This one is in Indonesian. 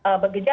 kepada dokter ya